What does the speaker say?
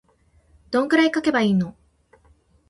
どんくらい書けばいいの